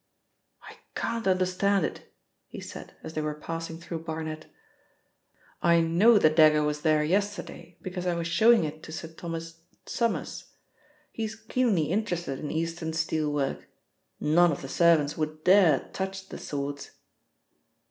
"I can't understand it," he said as they were passing through Barnet. "I know the dagger was there yesterday, because I was showing it to Sir Thomas Summers. He is keenly interested in Eastern steel work. None of the servants would dare touch the swords."